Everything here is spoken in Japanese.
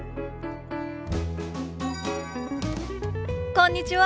こんにちは。